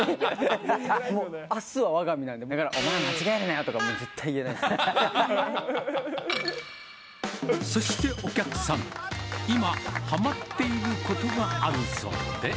もう、あすはわが身なんで、お前、間違えるなよとか、絶対言そしてお客さん、今、はまっていることがあるそうで。